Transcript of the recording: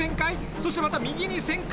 そしてまた右に旋回。